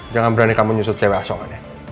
jangan berani kamu nyusut cewek soalnya